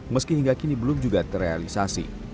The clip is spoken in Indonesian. meski hingga kini belum juga terrealisasi